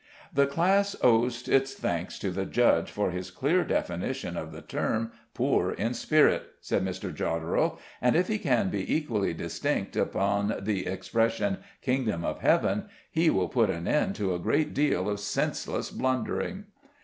"The class owes its thanks to the judge for his clear definition of the term 'poor in spirit,'" said Mr. Jodderel, "and if he can be equally distinct upon the expression 'kingdom of heaven' he will put an end to a great deal of senseless blundering."